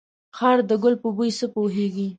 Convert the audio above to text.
خر ده ګل په بوی څه پوهيږي.